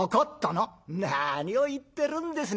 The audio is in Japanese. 「なにを言ってるんですね